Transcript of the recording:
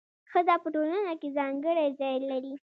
ښځه په ټولنه کي ځانګړی ځای لري.